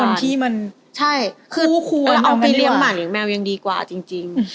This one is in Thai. ให้คนที่มันใช่คือคู่ควรเอาไปเรียงหมั่นอย่างแมวยังดีกว่าจริงจริง